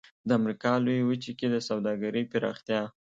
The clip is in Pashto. د امریکا لویې وچې کې د سوداګرۍ پراختیا.